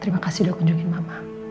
terima kasih udah kunjungin mama